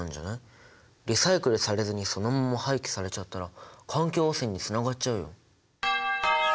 リサイクルされずにそのまま廃棄されちゃったら環境汚染につながっちゃうよ。